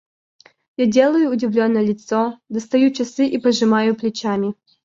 Я делаю удивленное лицо, достаю часы и пожимаю плечами.